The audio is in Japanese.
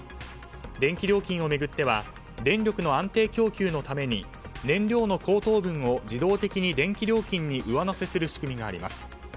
電気料金を巡っては電力の安定供給のために燃料の高騰分を自動的に電気料金に上乗せする仕組みがあります。